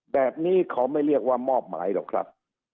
แบบนี้เขาไม่เรียกว่ามอบหมายหรอกครับ